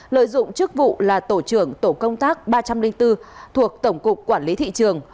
lợi dụng chức vụ là tổ trưởng tổ công tác ba trăm linh bốn thuộc tổng cục quản lý thị trường